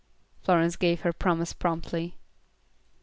Florence gave her promise promptly.